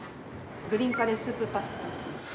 グリーンカレースープパスタです。